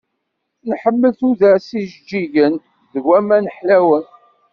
Nḥemmel tudert s yijeǧǧigen, d waman ḥlawen.